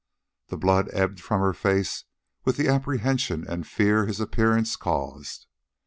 The blood ebbed from her face with the apprehension and fear his appearance caused.